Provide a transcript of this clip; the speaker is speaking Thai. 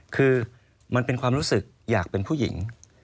คือมันเป็นความรู้สึกอยากเป็นผู้หญิง